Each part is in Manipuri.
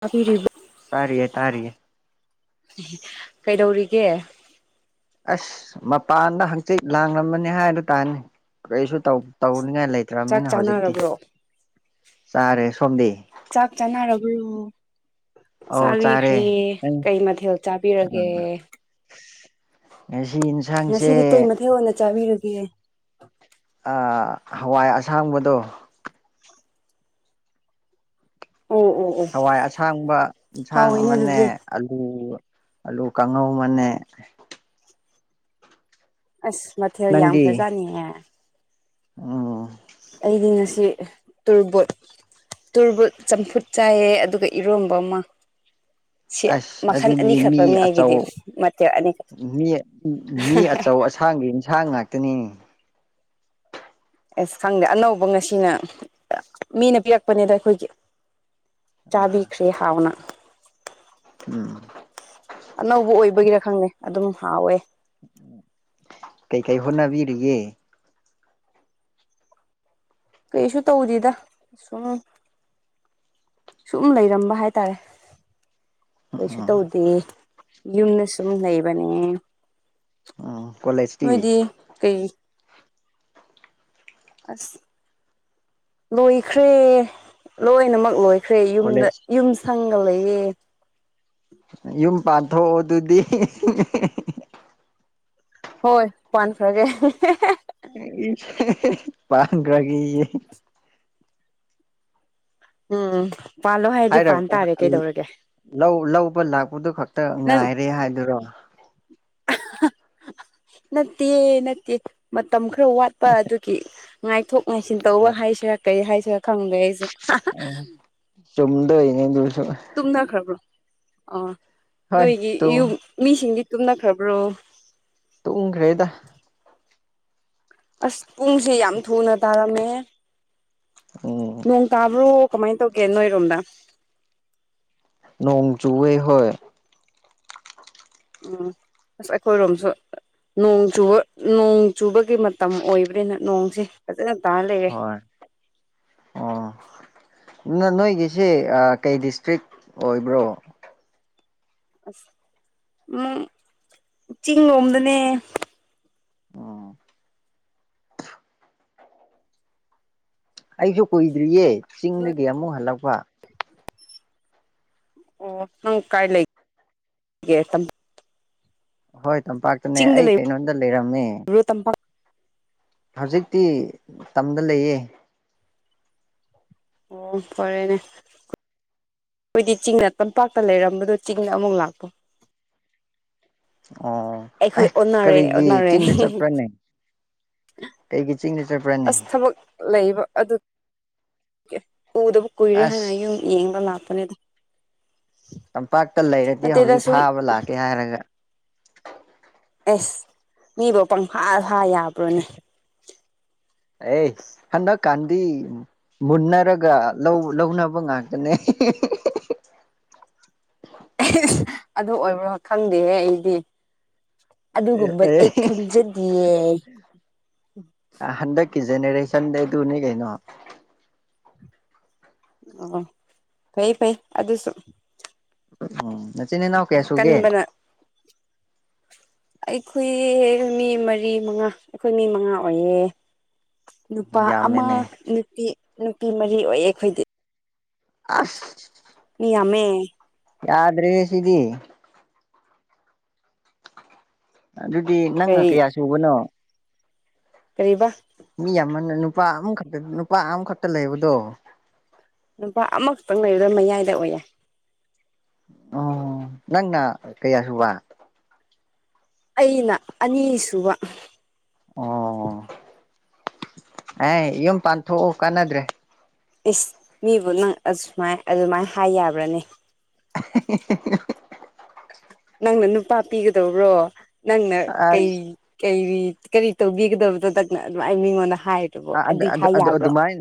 ꯇꯥꯕꯤꯔꯤꯕ ꯇꯥꯔꯤꯌꯦ ꯇꯥꯔꯤꯌꯦ ꯀꯩꯗꯧꯔꯤꯒꯦ ꯑꯁ ꯃꯄꯥꯟꯗ ꯍꯪꯆꯤꯠ ꯂꯥꯡꯂꯝꯕꯅꯤ ꯍꯥꯏꯗꯨ ꯇꯥꯅꯤ ꯀꯔꯤꯁꯨ ꯇꯧꯅꯤꯡꯉꯥꯏ ꯆꯥꯛ ꯂꯩꯇ꯭ꯔꯕꯅꯤꯅ ꯍꯧꯖꯤꯛꯇꯤ ꯆꯥꯅꯔꯕ꯭ꯔꯣ ꯆꯥꯔꯦ ꯁꯣꯝꯗꯤ ꯆꯥꯛ ꯆꯥꯅꯔꯕ꯭ꯔ ꯑꯧ ꯆꯥꯔꯦ ꯆꯥꯕꯤꯈ꯭ꯔꯌꯦ ꯅꯪ ꯀꯩ ꯃꯊꯦꯜ ꯆꯥꯕꯤꯔꯒꯦ ꯑꯦꯁꯤ ꯉꯁꯤꯗꯤ ꯀꯩ ꯃꯊꯦꯜ ꯑꯣꯏꯅ ꯆꯥꯕꯤꯔꯒꯦ ꯍꯋꯥꯏ ꯑꯁꯥꯡꯕꯗꯣ ꯑꯣ ꯑꯣ ꯍꯋꯥꯏ ꯑꯁꯥꯡꯕ ꯌꯦꯟꯁꯥꯡ ꯍꯥꯎꯋꯤꯅꯦ ꯑꯃꯅꯦ ꯑꯗꯨꯗꯤ ꯑꯜꯂꯨ ꯑꯜꯂꯨ ꯀꯪꯉꯧ ꯑꯃꯅꯦ ꯑꯁ ꯃꯊꯦꯜ ꯌꯥꯝ ꯈꯔꯖꯠꯅꯤꯍꯦ ꯑꯝ ꯑꯩꯗꯤ ꯉꯁꯤ ꯇꯨꯔꯕꯣꯠ ꯇꯨꯔꯕꯣꯠ ꯆꯝꯐꯨꯠ ꯆꯥꯏꯌꯦ ꯑꯗꯨꯒ ꯏꯔꯣꯟꯕ ꯑꯃ ꯁꯤ ꯑꯁ ꯃꯈꯜ ꯑꯗꯨꯗꯤ ꯃꯤ ꯑꯅꯤꯈꯛꯇꯅꯦ ꯑꯆꯧ ꯑꯩꯒꯤꯗꯤ ꯃꯊꯦꯜ ꯑꯅꯤꯈꯛ ꯃꯤ ꯃꯤ ꯑꯆꯧ ꯢꯁꯥꯡꯗꯤ ꯏꯟꯁꯥꯡ ꯉꯥꯛꯇꯅꯤ ꯑꯦꯁ ꯈꯪꯗꯦ ꯑꯅꯧꯕ ꯉꯁꯤꯅ ꯃꯤꯅ ꯄꯤꯔꯛꯄꯅꯤꯗ ꯑꯩꯈꯣꯏꯒꯤ ꯑꯥ ꯆꯥꯕꯤꯈꯔꯦ ꯍꯥꯎꯅꯥ ꯎꯝ ꯑꯅꯧꯕ ꯑꯣꯏꯕꯒꯤꯔ ꯈꯪꯗꯦ ꯑꯗꯨꯝ ꯍꯥꯎꯋꯦ ꯀꯩ ꯀꯩ ꯍꯣꯠꯅꯕꯤꯔꯤꯒꯦ ꯀꯩꯁꯨ ꯇꯧꯗꯦꯗ ꯁꯨꯝ ꯁꯨꯝ ꯂꯩꯔꯝꯕ ꯍꯥꯏꯇꯥꯔꯦ ꯎꯝ ꯀꯩꯁꯨ ꯎꯝ ꯇꯧꯗꯦ ꯌꯨꯝꯗ ꯁꯨꯝ ꯂꯩꯕꯅꯦ ꯎꯝ ꯀꯣꯂꯦꯖꯇꯤ ꯅꯣꯏꯗꯤ ꯀꯩ ꯑꯁ ꯂꯣꯏꯈ꯭ꯔꯦ ꯂꯣꯏꯅꯃꯛ ꯂꯣꯏ ꯈ꯭ꯔꯦ ꯌꯨꯝꯗ ꯀꯣꯂꯦꯖ ꯌꯨꯝ ꯁꯪꯒ ꯂꯩꯌꯦ ꯌꯨꯝ ꯄꯥꯟꯊꯣꯛꯑꯣ ꯑꯗꯨꯗꯤ ꯍꯣꯏ ꯄꯥꯟꯈ꯭ꯔꯒꯦ ꯄꯥꯟꯈ꯭ꯔꯒꯦꯌꯦ ꯎꯝ ꯄꯥꯜꯂꯣ ꯍꯥꯏꯔꯗꯤ ꯄꯥꯟ ꯍꯥꯏꯔꯛꯄ ꯇꯥꯔꯦ ꯀꯩꯗꯧꯔꯒꯦ ꯂꯧ ꯂꯧꯕ ꯂꯥꯛꯄꯗꯨ ꯈꯛꯇ ꯅꯪ ꯉꯥꯏꯔꯦ ꯍꯥꯏꯗꯨꯔꯣ ꯅꯠꯇꯦ ꯅꯠꯇꯦ ꯃꯇꯝ ꯈꯔ ꯋꯥꯠꯄ ꯑꯗꯨꯒꯤ ꯉꯥꯏꯊꯣꯛ ꯉꯥꯏꯁꯤꯟ ꯇꯧꯕ ꯍꯥꯏꯁꯤꯔꯥ ꯀꯩ ꯍꯥꯏꯁꯤꯔꯥ ꯈꯪꯗꯦ ꯑꯩꯁꯨ ꯆꯨꯝꯗꯣꯢꯅꯦ ꯑꯗꯨꯁꯨ ꯇꯨꯝꯅꯈ꯭ꯔꯕ꯭ꯔꯣ ꯑꯥ ꯍꯣꯏ ꯅꯣꯏꯒꯤ ꯌꯨꯝ ꯃꯤꯁꯤꯡꯗꯤ ꯇꯨꯝꯅꯈ꯭ꯔꯕ꯭ꯔꯣ ꯇꯨꯝꯈ꯭ꯔꯦꯗ ꯑꯁ ꯄꯨꯡꯁꯦ ꯌꯥꯝ ꯊꯨꯅ ꯇꯥꯔꯝꯃꯦ ꯑꯝ ꯅꯣꯡ ꯇꯥꯕ꯭ꯔꯣ ꯀꯃꯥꯏꯅ ꯇꯧꯒꯦ ꯅꯣꯏꯔꯣꯝꯗ ꯅꯣꯡ ꯆꯨꯌꯦ ꯍꯣꯏ ꯎꯝ ꯑꯁ ꯑꯩꯈꯣꯏꯔꯣꯝꯁꯨ ꯅꯣꯡ ꯆꯨꯕ ꯅꯣꯡ ꯆꯨꯕꯒꯤ ꯃꯇꯝ ꯑꯣꯏꯕ꯭ꯔꯅꯤꯅ ꯅꯣꯡꯁꯦ ꯐꯖꯅ ꯇꯥꯔ ꯂꯩꯔꯦ ꯍꯣꯏ ꯑꯣ ꯅꯣꯏꯒꯤꯁꯦ ꯀꯩ ꯗꯤꯁꯇ꯭ꯔꯤꯛ ꯑꯣꯏꯕ꯭ꯔꯣ ꯑꯁ ꯆꯤꯡ ꯂꯣꯝꯗꯅꯦ ꯎꯝ ꯑꯩꯁꯨ ꯀꯨꯏꯗ꯭ꯔꯤꯌꯦ ꯆꯤꯡꯗꯒꯤ ꯑꯃꯨꯛ ꯍꯜꯂꯛꯄ ꯑꯣ ꯅꯪ ꯀꯥꯏ ꯂꯩꯒꯦ ꯇꯥꯝꯄꯥꯛꯇ ꯍꯣꯏ ꯇꯝꯄꯥꯛꯇꯨꯅꯦ ꯑꯩ ꯀꯩꯅꯣꯗ ꯂꯩꯔꯝꯃꯦ ꯇꯥꯝꯄꯥꯛ ꯍꯧꯖꯤꯛꯇꯤ ꯇꯝꯗ ꯂꯩꯌꯦ ꯑꯣ ꯐꯔꯦꯅꯦ ꯑꯩꯈꯣꯏꯗꯤ ꯆꯤꯡꯗ ꯇꯝꯄꯥꯛꯇ ꯂꯩꯔꯝꯕꯗꯣ ꯆꯤꯡꯗ ꯑꯃꯨꯛ ꯂꯥꯛꯄꯥ ꯑꯣ ꯑꯩꯈꯣꯏ ꯑꯦ ꯑꯣꯟꯅꯔꯦ ꯀꯔꯤꯒꯤ ꯑꯣꯟꯅꯔꯦ ꯆꯤꯡꯗ ꯆꯠꯄ꯭ꯔꯥꯅꯦ ꯀꯩꯒꯤ ꯆꯤꯡꯗ ꯆꯠꯄ꯭ꯔꯥꯅꯦ ꯑꯁ ꯊꯕꯛ ꯂꯩꯕ ꯑꯗꯨ ꯎꯗꯕ ꯀꯨꯏꯔꯦ ꯍꯥꯏꯅ ꯑꯁ ꯌꯨꯝ ꯌꯦꯡꯕ ꯂꯥꯛꯄꯅꯦꯗ ꯇꯝꯄꯥꯛꯇ ꯂꯩꯔꯗꯤ ꯅꯠꯇꯦꯗ ꯍꯧꯖꯤꯛ ꯁꯨꯝ ꯐꯥꯕ ꯂꯥꯛꯀꯦ ꯍꯥꯏꯔꯒ ꯑꯦꯁ ꯃꯤꯕꯨ ꯄꯪꯐꯥ ꯐꯥ ꯌꯥꯕ꯭ꯔꯣꯅꯦ ꯑꯦ ꯍꯥꯟꯗꯥꯛꯀꯥꯟꯗꯤ ꯃꯨꯟꯅꯔꯒ ꯂꯧꯅꯕ ꯉꯥꯛꯇꯅꯦ ꯑꯗꯨ ꯑꯣꯏꯕ꯭ꯔꯣ ꯈꯪꯗꯦꯍꯦ ꯑꯩꯗꯤ ꯑꯗꯨꯒꯨꯝꯕꯗꯤ ꯑꯦ ꯑꯩ ꯈꯪꯖꯗꯌꯦ ꯍꯟꯗꯛꯀꯤ ꯖꯦꯅꯦꯔꯦꯁꯟꯗ ꯑꯗꯨꯅꯦ ꯀꯩꯅꯣ ꯑꯣ ꯐꯩ ꯐꯩ ꯑꯗꯨꯁꯨ ꯎ ꯅꯆꯅꯤꯅꯥ ꯀꯦꯁꯨꯒꯦ ꯀꯟꯕꯅ ꯑꯩꯈꯣꯏ ꯃꯤ ꯃꯔꯤ ꯃꯉꯥ ꯑꯩꯈꯣꯏ ꯃꯤ ꯃꯉꯥ ꯑꯣꯏꯌꯦ ꯅꯨꯄꯥ ꯑꯃ ꯌꯥꯝꯃꯦꯅꯦ ꯅꯨꯄꯤ ꯅꯨꯄꯤ ꯃꯔꯤ ꯑꯣꯏꯌꯦ ꯑꯩꯈꯣꯏꯗꯤ ꯑꯁ ꯃꯤ ꯌꯥꯝꯃꯦ ꯌꯥꯗ꯭ꯔꯦ ꯁꯤꯗꯤ ꯑꯗꯨꯗꯤ ꯅꯪꯅ ꯀꯔꯤ ꯀꯌꯥ ꯁꯨꯕꯅꯣ ꯀꯕꯥ ꯃꯤ ꯑꯃꯅ ꯅꯨꯄꯥ ꯑꯃꯈꯛꯇ ꯅꯨꯄꯥ ꯑꯃꯈꯛꯇ ꯂꯩꯕꯗꯣ ꯂꯨꯄꯥ ꯑꯃꯈꯛꯇꯪ ꯂꯩꯔꯗꯥ ꯃꯌꯥꯏꯗ ꯑꯣꯏꯌꯦ ꯑꯣ ꯅꯪꯅ ꯀꯌꯥꯁꯨ ꯋꯥ ꯑꯩꯅ ꯑꯅꯤꯁꯨꯕ ꯑꯣ ꯑꯦ ꯌꯨꯝ ꯄꯥꯟꯊꯣꯛꯎ ꯀꯥꯟꯅꯗ꯭ꯔꯦ ꯏꯁ ꯃꯤꯕꯨ ꯅꯪ ꯑꯃꯥꯏ ꯑꯗꯨꯃꯥꯏꯅ ꯍꯥꯏ ꯌꯥꯕ꯭ꯔꯅꯦ [unintelligible] ꯅꯪꯅ ꯅꯨꯄꯥ ꯄꯤꯒꯗ꯭ꯔꯣ ꯅꯪꯅ ꯑꯁ ꯀꯩ ꯀ ꯀꯔꯤ ꯇꯧꯕꯤꯒꯗꯕꯗꯨꯣꯗꯛꯅ ꯑꯗꯨꯥꯏ ꯃꯤꯉꯣꯟꯗ ꯍꯥꯏ ꯑꯗꯨꯗꯤ ꯌꯥꯕ꯭ꯔꯣ ꯑꯗꯨꯃꯥꯏ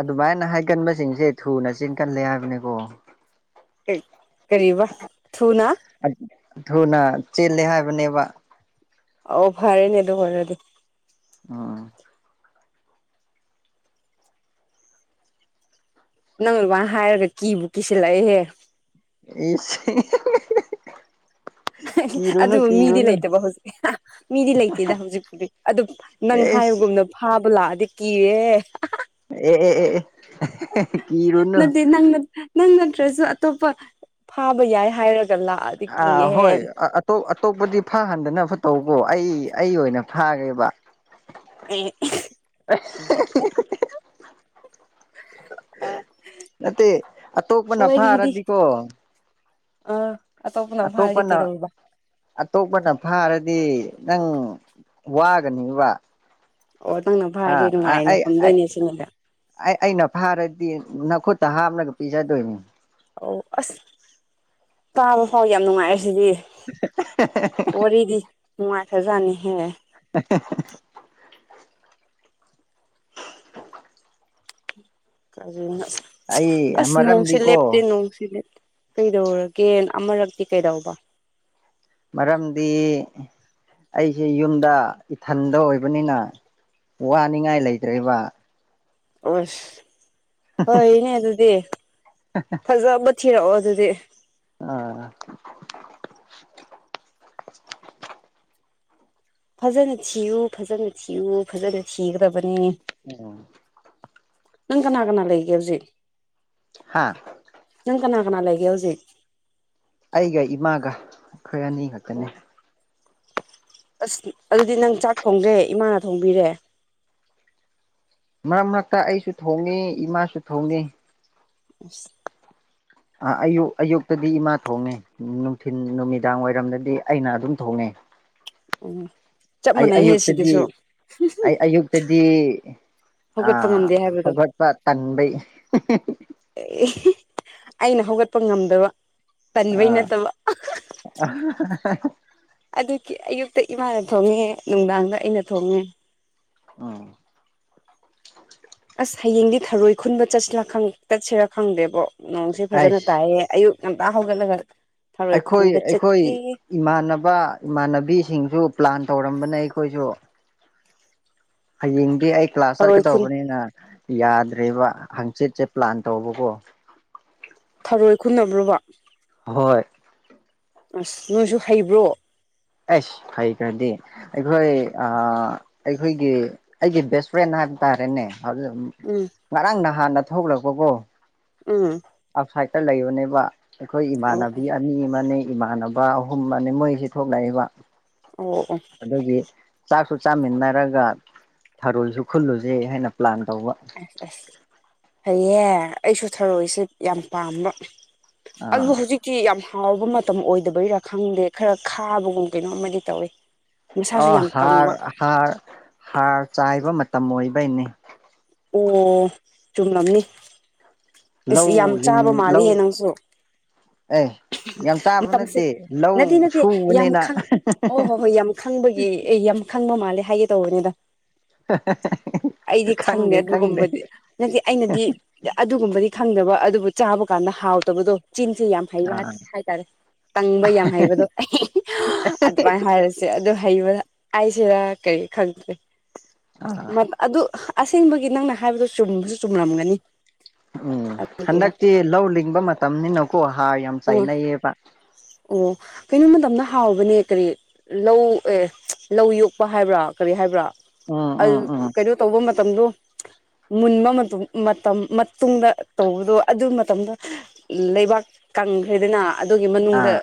ꯑꯗꯨꯃꯥꯏꯅ ꯍꯥꯏꯒꯟꯕꯁꯤꯡꯁꯦ ꯊꯨꯅ ꯆꯦꯟꯒꯜꯂꯦ ꯍꯥꯏꯕꯅꯤꯀꯣ ꯀꯔꯤꯕ ꯊꯨꯅ ꯊꯨꯅ ꯆꯦꯜꯂꯦ ꯍꯥꯏꯕꯅꯦꯕ ꯑꯣꯚꯔꯦꯅꯦ ꯑꯗꯨꯔꯗꯤ ꯑꯣ ꯅꯪ ꯂꯨꯕꯥꯅ ꯍꯥꯏꯔꯒ ꯀꯤꯕꯨ ꯀꯤꯁꯤꯜꯂꯛꯑꯦꯍꯦ [unintelligible] ꯀꯤꯔꯨꯅꯨ ꯑꯗꯨ ꯃꯤꯗꯤ ꯀꯤꯔꯨꯅꯨ ꯂꯩꯇꯕ ꯍꯧꯖꯤꯛ ꯃꯤꯗꯤ ꯂꯩꯇꯦꯗ ꯍꯧꯖꯤꯛꯄꯨꯗꯤ ꯑꯗꯨ ꯅꯪ ꯑꯦꯁ ꯍꯥꯏꯕꯒꯨꯝꯅ ꯐꯥꯕ ꯂꯥꯛꯑꯗꯤ ꯀꯤꯔꯦ ꯑꯦ ꯀꯤꯔꯨꯅꯨ ꯅꯠꯇꯦ ꯅ ꯅꯪ ꯅꯠꯇ꯭ꯔꯁꯨ ꯑꯇꯣꯞꯄ ꯐꯥꯕ ꯌꯥꯏ ꯍꯥꯏꯔꯒ ꯂꯥꯛꯑꯗꯤ ꯑꯥ ꯀꯤꯍꯦ ꯍꯣꯏ ꯇꯣꯞ ꯑꯇꯣꯞꯄꯗꯤ ꯐꯥꯍꯟꯗꯅ ꯐ ꯇꯧꯕꯀꯣ ꯑꯩ ꯑꯩ ꯑꯣꯏꯅ ꯐꯥꯒ꯭ꯔꯦꯕ ꯑꯩ [unintelligible] ꯅꯠꯇꯦ ꯑꯇꯣꯞꯄꯅ ꯐꯥꯔꯗꯤꯀꯣ ꯑꯥ ꯑꯇꯣꯞꯄꯟꯅ ꯑꯇꯣꯞꯄꯅ ꯐꯥꯔꯗꯤ ꯅꯪ ꯋꯥꯒꯅꯤꯕ ꯑꯣ ꯅꯪꯅ ꯑꯥ ꯐꯥꯔꯗꯤꯦ ꯅꯨꯡꯉꯥꯏꯅ ꯑꯩ ꯊꯝꯗꯣꯏꯅꯦ ꯁꯤꯃꯗ ꯑꯩ ꯑꯩꯅ ꯐꯥꯔꯗꯤ ꯅꯈꯨꯠꯇ ꯍꯥꯝꯂꯒ ꯄꯤꯖꯗꯣꯏꯅꯤ ꯑꯣ ꯑꯁ ꯇꯥꯕ ꯐꯥꯎ ꯌꯥꯝ ꯅꯨꯡꯉꯥꯏꯔꯦ ꯁꯤꯗꯤ [unintelligible] ꯋꯥꯔꯤꯗꯤ ꯅꯨꯡꯉꯥꯏꯈꯔꯖꯥꯅꯤꯍꯦ [unintelligible] ꯀꯖꯩꯅꯣ ꯑꯩ ꯑꯁ ꯅꯣꯡꯁꯦ ꯃꯔꯝꯗꯤꯀꯣ ꯂꯦꯞꯇꯦ ꯅꯣꯡꯁꯤ ꯂꯦꯞꯇꯦ ꯀꯩꯗꯧꯔꯒꯦ ꯑꯃꯔꯛꯇꯤ ꯀꯩꯗꯧꯕ ꯃꯔꯝꯗꯤ ꯑꯩꯖꯦ ꯌꯨꯝꯗ ꯏꯊꯟꯗ ꯑꯣꯏꯕꯅꯤꯅ ꯋꯥꯅꯤꯡꯉꯥꯏ ꯂꯩꯇ꯭ꯔꯦꯕ ꯑꯣꯁ ꯐꯣꯏꯅꯦ ꯑꯗꯨꯗꯤ ꯐꯖꯕ ꯊꯤꯔꯛꯑꯣ ꯑꯗꯨꯗꯤ ꯑꯥ ꯐꯖꯅ ꯊꯤꯌꯨ ꯐꯖꯅ ꯊꯤꯌꯨ ꯐꯖꯅ ꯊꯤꯒ꯭ꯔꯕꯅꯤꯅꯦ ꯑꯣ ꯅꯪ ꯀꯅꯥ ꯀꯅꯥ ꯂꯩꯒꯦ ꯍꯧꯖꯤꯛ ꯍꯥꯥ ꯅꯪ ꯀꯅꯥ ꯀꯅꯥ ꯂꯩꯒꯦ ꯍꯧꯖꯤꯛ ꯑꯩꯒ ꯏꯃꯥꯒ ꯑꯩꯈꯣꯏ ꯑꯅꯤ ꯈꯛꯇꯅꯦ ꯑꯁ ꯑꯗꯨꯗꯤ ꯅꯪ ꯆꯥꯛ ꯊꯣꯡꯗ꯭ꯔꯦ ꯏꯃꯥꯅ ꯊꯣꯡꯕꯤꯔꯦ ꯃꯔꯛ ꯃꯔꯛꯇ ꯑꯩꯁꯨ ꯊꯣꯡꯉ ꯏꯃꯥꯁꯨ ꯊꯣꯡꯉ ꯑ ꯑꯌꯨꯛ ꯑꯌꯨꯛꯇꯗꯤ ꯏꯃꯥ ꯊꯣꯡꯉꯦ ꯅꯨꯡꯊꯤꯤꯟ ꯅꯨꯃꯤꯗꯥꯡ ꯋꯥꯏꯔꯝꯗꯗꯤ ꯑꯩꯅ ꯑꯗꯨꯝ ꯊꯣꯡꯉꯦ ꯑꯣ ꯑꯩ ꯑꯌꯨꯛꯇꯗꯤ ꯑꯩ ꯑꯌꯨꯛꯇꯗꯤ ꯑ ꯍꯧꯒꯠꯄ ꯉꯝꯗꯦ ꯍꯥꯏꯕꯗꯣ ꯍꯧꯒꯠꯄ ꯇꯟꯕꯩ ꯑꯩꯅ ꯍꯧꯒꯠꯄ ꯉꯝꯗꯕ ꯇꯟꯕꯩ ꯅꯠꯇꯕ ꯑꯥ ꯑꯗꯨꯒꯤ ꯑꯌꯨꯛꯇ ꯏꯃꯥꯅ ꯊꯣꯡꯉꯦ ꯅꯨꯡꯗꯥꯡꯗ ꯑꯩꯅ ꯊꯣꯡꯉꯦ ꯎꯝ ꯑꯁ ꯍꯌꯦꯡꯗꯤ ꯊꯔꯣꯏ ꯈꯨꯟꯕ ꯆꯠꯁꯤꯔ ꯈꯪ ꯆꯠꯁꯤꯔꯥ ꯈꯪꯗꯦꯕꯣ ꯅꯣꯡꯁꯦ ꯐꯖꯅ ꯑꯩꯁ ꯇꯥꯏꯌꯦ ꯑꯌꯨꯛ ꯉꯟꯇ ꯍꯧꯒꯠꯂꯒ ꯊꯔꯣꯏ ꯑꯩꯈꯣꯏ ꯈꯨꯟꯕ ꯑꯩꯈꯣꯏ ꯆꯠꯀꯦ ꯏꯃꯥꯟꯅꯕ ꯏꯃꯥꯟꯅꯕꯤꯁꯤꯡꯁꯨ ꯄ꯭ꯂꯥꯟ ꯇꯧꯔꯝꯕꯅꯦ ꯑꯩꯈꯣꯏꯁꯨ ꯍꯌꯦꯡꯗꯤ ꯑꯩ ꯀ꯭ꯂꯥꯁ ꯊꯔꯣꯏ ꯈꯨꯟ ꯆꯠꯀꯗꯧꯕꯅꯤꯅ ꯌꯥꯗ꯭ꯔꯦꯕ ꯍꯪꯆꯤꯠꯁꯦ ꯄ꯭ꯂꯥꯟ ꯇꯧꯕꯀꯣ ꯊꯔꯣꯏ ꯈꯨꯟꯅꯕꯔꯣꯕ ꯍꯣꯏ ꯑꯁ ꯅꯣꯏꯁꯨ ꯍꯩꯕ꯭ꯔꯣ ꯑꯩꯁ ꯍꯩꯇꯔꯗꯤ ꯑꯩꯈꯣꯏ ꯑ ꯑꯩꯈꯣꯏꯒꯤ ꯑꯩꯒꯤ ꯕꯦꯁ ꯐ꯭ꯔꯦꯟ ꯍꯥꯏꯕ ꯇꯥꯔꯦꯅꯦ ꯎꯝ ꯉꯔꯥꯡ ꯅꯍꯥꯟꯅ ꯊꯣꯛꯂꯛꯄꯒꯣ ꯎꯝ ꯑꯥꯎꯠꯁꯥꯏꯗꯠꯇ ꯂꯩꯕꯅꯦꯕ ꯑꯩꯈꯣꯏ ꯑꯣ ꯏꯃꯥꯟꯅꯕꯤ ꯑꯅꯤ ꯑꯃꯅꯦ ꯏꯃꯥꯟꯅꯕ ꯑꯍꯨꯝ ꯃꯅꯦ ꯃꯣꯏꯖꯦ ꯊꯣꯛꯂꯛꯑꯦꯕ ꯑꯣ ꯑꯣ ꯑꯗꯨꯒꯤ ꯆꯥꯛꯁꯨ ꯆꯥꯃꯤꯟꯅꯔꯒ ꯊꯔꯣꯏꯁꯨ ꯈꯨꯜꯂꯨꯖꯦ ꯍꯥꯏꯅ ꯄ꯭ꯂꯥꯟ ꯇꯧꯕ ꯑꯁ ꯑꯁ ꯐꯩꯌꯦ ꯑꯩꯁꯨ ꯊꯔꯣꯏꯁꯦ ꯌꯥꯝ ꯄꯥꯝꯕ ꯑꯗꯨ ꯑꯥ ꯍꯧꯖꯤꯛ ꯁꯤ ꯌꯥꯝ ꯍꯥꯎꯕ ꯃꯇꯝ ꯑꯣꯏꯗꯕꯩꯔꯥ ꯈꯪꯗꯦ ꯈꯔ ꯈꯥꯕꯒꯨꯝ ꯀꯩꯅꯣꯝꯃꯗꯤ ꯇꯧꯋꯦ ꯃꯁꯥꯁꯨ ꯑꯣ ꯌꯥꯝ ꯀꯪꯕ ꯍꯥꯔ ꯍꯥꯔ ꯍꯥꯔ ꯆꯥꯏꯕ ꯃꯇꯝ ꯑꯣꯏꯕꯩꯅꯦ ꯑꯣ ꯆꯨꯝꯂꯝꯅꯤ ꯑꯁ ꯌꯥꯝ ꯂꯧ ꯂꯤꯡ ꯆꯥꯕ ꯂꯧ ꯃꯥꯜꯂꯤꯍꯦ ꯅꯪꯁꯨ ꯑꯦ ꯌꯥꯝ ꯆꯥꯕ ꯃꯇꯝꯁꯦ ꯅꯠꯇꯦ ꯅꯠꯇꯦ ꯂꯧ ꯅꯠꯇꯦ ꯌꯥꯝ ꯁꯨꯕꯅꯤꯅ ꯈꯪ ꯑꯣ ꯍꯣꯏ ꯍꯣꯏ ꯌꯥꯝ ꯈꯪꯕꯒꯤ ꯑꯦ ꯌꯥꯝ ꯈꯪꯕ ꯃꯥꯜꯂꯦ ꯍꯥꯏꯒꯦ ꯇꯧꯕꯅꯤꯗ ꯑꯩꯗꯤ ꯈꯪꯗꯦ ꯑꯗꯨꯒꯨꯝꯕꯗꯤ ꯅꯪꯠꯇꯦ ꯑꯩꯅꯗꯤ ꯑꯗꯨꯒꯨꯝꯕꯗꯤ ꯈꯪꯗꯕ ꯑꯗꯨꯕꯨ ꯆꯥꯕ ꯀꯥꯟꯗ ꯍꯥꯎꯇꯕꯗꯣ ꯆꯤꯟꯁꯦ ꯌꯥꯝ ꯍ ꯑꯥ ꯍꯥꯏꯇꯥꯔꯦ ꯇꯪꯕ ꯌꯥꯝ ꯍꯩꯕꯗꯣ ꯑꯩ ꯑꯗꯨꯃꯥꯏꯅ ꯍꯥꯏꯔꯦ ꯁꯦ ꯑꯗꯨ ꯍꯩꯕꯗ ꯑꯩꯁꯤꯗ ꯀꯔꯤ ꯈꯪꯗ꯭ꯔꯦ ꯑꯥ ꯑꯗꯨ ꯑꯁꯦꯡꯕꯒꯤ ꯅꯪꯅ ꯍꯥꯏꯕꯗꯨꯣ ꯆꯨꯝꯕꯁꯨ ꯆꯨꯝꯔꯝꯒꯅꯤ ꯎꯝ ꯍꯟꯗꯛꯇꯤ ꯂꯧ ꯂꯤꯡꯕ ꯃꯇꯝꯅꯤꯅꯀꯣ ꯍꯥꯔ ꯌꯥꯝ ꯎꯝ ꯆꯥꯏꯅꯩꯌꯦꯕ ꯑꯣ ꯀꯩꯅꯣꯝ ꯃꯇꯝꯗ ꯍꯥꯎꯕꯅꯦ ꯀꯔꯤ ꯂꯧ ꯑꯦ ꯂꯧ ꯌꯣꯛꯄ ꯍꯥꯏꯕ꯭ꯔꯥ ꯀꯔꯤ ꯍꯥꯏꯕ꯭ꯔꯥ ꯎꯝ ꯎꯝ ꯎꯝ ꯀꯩꯅꯣ ꯇꯧꯕ ꯃꯇꯝꯗꯣ ꯃꯨꯟꯕ ꯃꯇꯝ ꯃꯇꯨꯡꯗ ꯇꯧꯕꯗꯣ ꯑꯗꯨ ꯃꯇꯝꯗ ꯂꯩꯕꯥꯛ ꯀꯪꯈ꯭ꯔꯦꯗꯅ ꯑꯗꯨꯒꯤ ꯃꯅꯨꯡꯗ ꯑꯥ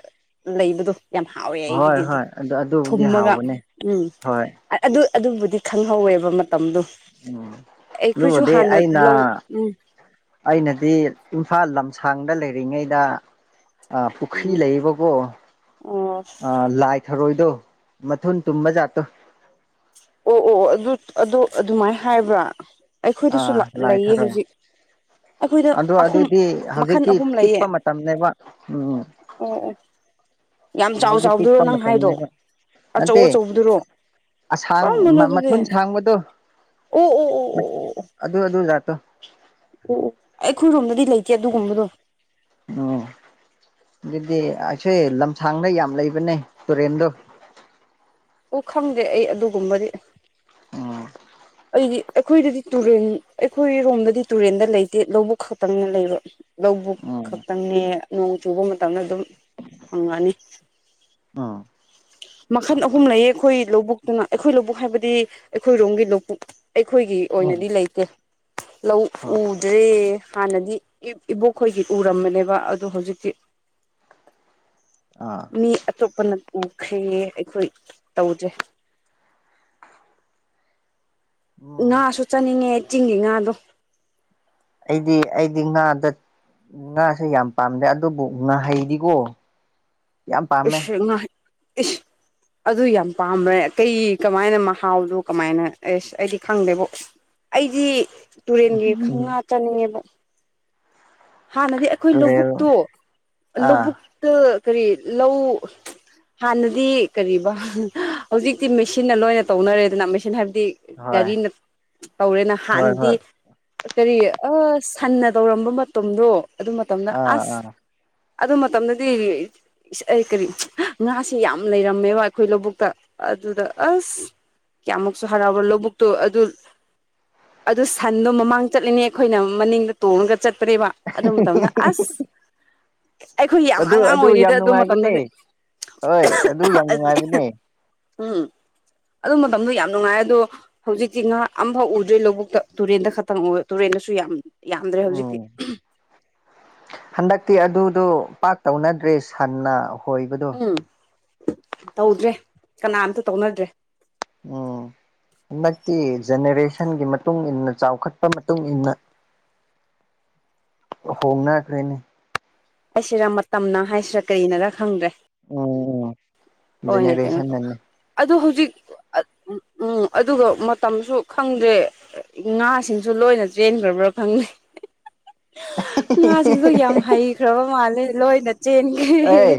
ꯂꯩꯕꯗꯣ ꯌꯥꯝ ꯍꯥꯎꯋꯦ ꯍꯣꯏ ꯑꯩꯒꯤꯗꯤ ꯑꯗꯨ ꯍꯣꯏ ꯑꯗꯨꯕꯨꯗꯤ ꯊꯨꯝꯃꯒ ꯍꯥꯎꯕꯅꯦ ꯎꯝ ꯍꯣꯏ ꯑꯗꯨ ꯑꯗꯨꯕꯨꯗꯤ ꯈꯪꯍꯧꯋꯦꯕ ꯃꯇꯝꯗꯣ ꯎꯝ ꯑꯩꯈꯣꯏꯁꯨ ꯑꯗꯨꯕꯨꯗꯤ ꯍꯥꯟꯅ ꯑꯩꯅ ꯂꯧ ꯎꯝ ꯑꯩꯅꯗꯤ ꯏꯝꯐꯥꯜ ꯂꯝꯁꯥꯡꯗ ꯂꯩꯔꯤꯉꯩꯗ ꯑ ꯄꯨꯈ꯭ꯔꯤ ꯎꯝ ꯂꯩꯑꯦꯕꯀꯣ ꯑꯣ ꯑ ꯂꯥꯏ ꯊꯔꯣꯏꯗꯣ ꯃꯊꯨꯟ ꯇꯨꯝꯕ ꯖꯥꯠꯇꯣ ꯑꯣ ꯑꯣ ꯑꯣ ꯑꯗꯨꯠ ꯑꯗꯨ ꯑꯗꯨꯃꯥꯏ ꯍꯥꯏꯕ꯭ꯔꯥ ꯑꯩꯈꯣꯏꯗꯁꯨ ꯑꯥ ꯂꯥꯛ ꯂꯥꯏ ꯂꯩꯌꯦ ꯊꯥꯔꯛꯑꯦ ꯍꯧꯖꯤꯛ ꯑꯩꯈꯣꯏꯗ ꯑꯗꯣ ꯑꯍꯨꯝ ꯑꯗꯨꯗꯤ ꯃꯈꯜ ꯍꯧꯖꯤꯛꯇꯤ ꯑꯍꯨꯝ ꯂꯩꯌꯦ ꯄꯤꯛꯄ ꯃꯇꯝꯅꯦꯕ ꯎꯝ ꯑꯣ ꯑꯣ ꯌꯥꯝ ꯆꯥꯎ ꯍꯧꯖꯤꯛꯇꯤ ꯆꯥꯎꯗꯨꯔꯣ ꯄꯤꯛꯄ ꯅꯪ ꯍꯥꯏꯗꯣ ꯃꯇꯝꯅꯦꯕ ꯑꯆꯧ ꯅꯠꯇꯦ ꯑꯆꯧꯕꯗꯨꯔꯣ ꯑꯁꯥꯡ ꯀꯔꯝꯕꯅꯣ ꯑꯗꯨꯗꯤ ꯃꯊꯨꯟ ꯁꯥꯡꯕꯗꯣ ꯑꯣ ꯑꯣ ꯑꯣ ꯑꯣ ꯑꯗꯨ ꯑꯗꯨ ꯖꯥꯠꯇꯣ ꯑꯣ ꯑꯣ ꯑꯩꯈꯣꯏꯔꯣꯝꯗꯗꯤ ꯂꯩꯇꯦ ꯑꯗꯨꯒꯨꯝꯕꯗꯣ ꯎꯝ ꯑꯗꯨꯗꯤ ꯑꯩꯁꯣꯏ ꯂꯝꯁꯥꯡꯗ ꯌꯥꯝ ꯂꯩꯕꯅꯦ ꯇꯨꯔꯦꯟꯗꯣ ꯑꯣ ꯈꯪꯗꯦ ꯑꯩ ꯑꯗꯨꯒꯨꯝꯕꯗꯤ ꯎꯝ ꯑꯩꯗꯤ ꯑꯩꯈꯣꯏꯗꯗꯤ ꯇꯨꯔꯦꯟ ꯑꯩꯈꯣꯏꯔꯣꯝꯗꯗꯤ ꯇꯨꯔꯦꯟꯗ ꯂꯩꯇꯦ ꯂꯧꯕꯨꯛ ꯈꯛꯇꯪꯅꯦ ꯂꯩꯕ ꯂꯧꯕꯨꯛ ꯎꯝ ꯈꯛꯇꯪꯅꯦ ꯅꯣꯡ ꯆꯨꯕ ꯃꯇꯝꯗ ꯑꯗꯨꯝ ꯐꯪꯉꯅꯤ ꯑꯥ ꯃꯈꯜ ꯑꯍꯨꯝ ꯂꯩꯌꯦ ꯑꯩꯈꯣꯏ ꯂꯧꯕꯨꯛꯇꯅ ꯑꯩꯈꯣꯏ ꯂꯧꯕꯨꯛ ꯍꯥꯏꯕꯗꯤ ꯑꯩꯈꯣꯏꯔꯣꯝꯒꯤ ꯂꯧꯕꯨꯛ ꯑꯩꯈꯣꯏꯒꯤ ꯎꯝ ꯎꯝ ꯍꯣꯏ ꯑꯣꯏꯅꯗꯤ ꯂꯩꯇꯦ ꯂꯧ ꯎꯗ꯭ꯔꯦ ꯍꯥꯟꯅꯗꯤ ꯏꯕꯣꯛꯈꯣꯏꯒꯤ ꯎꯔꯝꯕꯅꯦꯕ ꯑꯗꯣ ꯍꯧꯖꯤꯛꯇꯤ ꯑꯥ ꯃꯤ ꯑꯇꯣꯞꯄꯅ ꯎꯈ꯭ꯔꯦ ꯑꯩꯈꯣꯏ ꯇꯧꯗꯔꯦ ꯎꯝ ꯉꯥꯁꯨ ꯆꯥꯅꯤꯡꯉꯦ ꯆꯤꯡꯒꯤ ꯉꯥꯗꯣ ꯑꯩꯗꯤ ꯑꯩꯗꯤ ꯉꯥꯗ ꯉꯥꯁꯦ ꯌꯥꯝ ꯄꯥꯝꯗꯦ ꯑꯗꯨꯕꯨ ꯉꯥꯍꯩꯗꯤꯀꯣ ꯌꯥꯝ ꯄꯥꯝꯃꯦ ꯏꯁ ꯉꯥꯍꯩ ꯏꯁ ꯑꯗꯨ ꯌꯥꯝ ꯄꯥꯝꯕ꯭ꯔꯦ ꯀꯩ ꯀꯃꯥꯏꯅ ꯃꯍꯥꯎꯗꯨ ꯀꯃꯥꯏꯅ ꯑꯦꯁ ꯑꯩꯗꯤ ꯈꯪꯗꯦꯕꯣ ꯑꯩꯗꯤ ꯇꯨꯔꯦꯟꯒꯤ ꯈꯪ ꯉꯥ ꯆꯥꯅꯤꯡꯉꯦꯕꯣ ꯍꯥꯟꯅꯗꯤ ꯑꯩꯈꯣꯏ ꯇꯨꯔꯦꯜ ꯂꯧꯕꯨꯛꯇꯣ ꯑꯥ ꯂꯧꯕꯨꯛꯇ ꯀꯔꯤ ꯂꯧ ꯍꯥꯟꯅꯗꯤ ꯀꯔꯤꯕ ꯍꯧꯖꯤꯛꯇꯤ ꯃꯦꯁꯤꯟꯅ ꯂꯣꯏꯅ ꯇꯧꯅꯔꯦꯗꯅ ꯃꯦꯁꯤꯟ ꯍꯥꯏꯕꯗꯤ ꯍꯣꯏ ꯒꯥꯔꯤꯅ ꯇꯧꯔꯦꯅ ꯍꯣꯏ ꯍꯥꯟꯅꯗꯤ ꯍꯣꯏ ꯀꯔꯤ ꯑ ꯁꯟꯅ ꯇꯧꯔꯝꯕ ꯃꯇꯝꯗꯣ ꯑꯗꯨ ꯃꯇꯝꯗ ꯑꯥ ꯑꯥ ꯑꯁ ꯑꯗꯨ ꯃꯇꯝꯗꯗꯤꯔꯤ ꯏꯁ ꯑꯩ ꯀꯔꯤ ꯉꯥꯁꯦ ꯌꯥꯝ ꯂꯩꯔꯝꯃꯦꯕ ꯑꯩꯈꯣꯏ ꯂꯧꯕꯨꯛꯇ ꯑꯗꯨꯗ ꯑꯁ ꯀꯌꯥꯃꯨꯛꯁꯨ ꯍꯔꯥꯎꯔꯣ ꯂꯧꯕꯨꯛꯇꯣ ꯑꯗꯨ ꯑꯗꯨ ꯁꯟꯗꯣ ꯃꯃꯥꯡ ꯆꯠꯂꯤꯅꯦ ꯑꯩꯈꯣꯏꯅ ꯃꯅꯤꯡꯗ ꯇꯣꯡꯉꯒ ꯆꯠꯄꯅꯦꯕ ꯑꯗꯨ ꯃꯇꯝꯗ ꯑꯁ ꯑꯩꯈꯣꯏ ꯌꯥꯝ ꯑꯗꯨ ꯑꯉꯥꯡ ꯌꯥꯝ ꯑꯣꯏꯔꯤꯗ ꯑꯗꯨ ꯅꯨꯡꯉꯥꯏꯕꯅꯦ ꯃꯇꯝꯗꯗꯤ ꯍꯣꯏ ꯑꯗꯨ ꯌꯥꯝ ꯅꯨꯡꯉꯥꯏꯕꯅꯦ ꯎꯝ ꯑꯗꯨ ꯃꯇꯝꯗꯣ ꯌꯥꯝ ꯅꯨꯡꯉꯥꯏ ꯑꯗꯣ ꯍꯧꯖꯤꯛꯇꯤ ꯉꯥ ꯑꯝꯐꯥꯎ ꯎꯗ꯭ꯔꯦ ꯂꯧꯕꯨꯛꯇ ꯇꯨꯔꯦꯟꯗ ꯈꯛꯇꯪ ꯑꯣꯏ ꯇꯨꯔꯦꯟꯗꯁꯨ ꯌꯥꯝ ꯌꯥꯝꯗ꯭ꯔꯦ ꯍꯧꯖꯤꯛꯇꯤ ꯎꯝ [unintelligible] ꯍꯟꯗꯛꯇꯤ ꯑꯗꯨꯗꯣ ꯄꯥꯛ ꯇꯧꯅꯗ꯭ꯔꯦ ꯁꯟꯅ ꯍꯣꯏꯕꯗꯨ ꯎꯝ ꯇꯧꯗ꯭ꯔꯦ ꯀꯅꯥꯝꯇ ꯇꯧꯅꯗ꯭ꯔꯦ ꯑꯣ ꯍꯟꯗꯛꯇꯤ ꯖꯦꯅꯦꯔꯦꯁꯟꯒꯤ ꯃꯇꯨꯡ ꯏꯟꯅ ꯆꯥꯎꯈꯠꯄ ꯃꯇꯨꯡ ꯏꯟꯅ ꯍꯣꯡꯅꯈ꯭ꯔꯦꯅꯦ ꯍꯥꯏꯁꯤꯔ ꯃꯇꯝꯅ ꯍꯥꯏꯁꯤꯔꯥ ꯀꯔꯤꯅꯔ ꯈꯪꯗ꯭ꯔꯦ ꯎꯝ ꯎꯝ ꯍꯣꯏ ꯀꯩꯅꯣ ꯖꯦꯅꯦꯔꯦꯁꯟꯅꯅꯦ ꯑꯗꯨ ꯍꯧꯖꯤꯛ ꯎꯝ ꯑꯗꯨꯒ ꯃꯇꯝꯁꯨ ꯈꯪꯗ꯭ꯔꯦ ꯉꯥꯁꯤꯡꯁꯨ ꯂꯣꯏꯅ ꯆꯦꯟꯈ꯭ꯔꯕ꯭ꯔꯥ ꯈꯪꯗꯦ ꯉꯥꯁꯤꯡꯗꯣ ꯌꯥꯝ ꯍꯩꯈ꯭ꯔꯕ ꯃꯥꯜꯂꯦ ꯂꯣꯏꯅ ꯆꯦꯟꯒꯦ ꯑꯩ